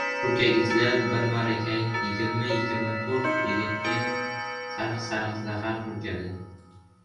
Purkagichlar birvarakay yigirma-yigirma to‘rt egatga sariq-sariq zahar purkadi.